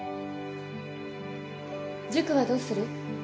塾はどうする？